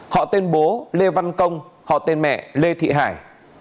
họ tên bố lê văn công họ tên mẹ lê thị hải